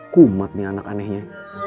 kumat nih anak anehnya